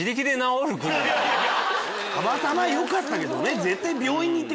たまたまよかったけどね。